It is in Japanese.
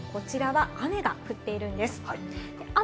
というのも、こちらは雨が降っているんです。